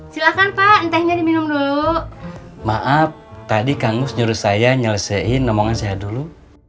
silahkan pak entahnya diminum dulu maaf tadi kang gus nyuruh saya nyelesein omongan saya dulu